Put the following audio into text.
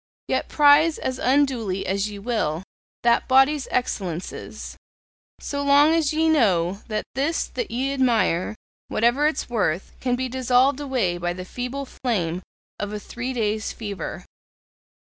Yet prize as unduly as ye will that body's excellences; so long as ye know that this that ye admire, whatever its worth, can be dissolved away by the feeble flame of a three days' fever.